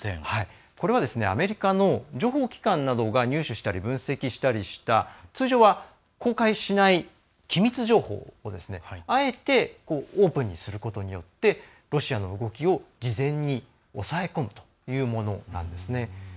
これはアメリカの情報機関などが入手したり分析したりした通常は公開しない機密情報をあえてオープンにすることによりロシアの動きを事前に抑え込むというものなんですね。